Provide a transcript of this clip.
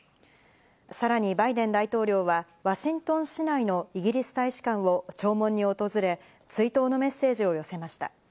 さらにバイデン大統領はワシントン市内のイギリス大使館を弔問に訪れ、追悼のメッセージを寄せました。